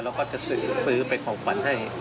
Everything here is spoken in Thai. แล้วก็จะซื้อเป็นของขวัญให้